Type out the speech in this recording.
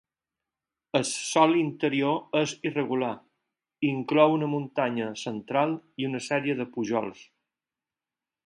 El sòl interior és irregular, i inclou una muntanya central i una sèrie de pujols.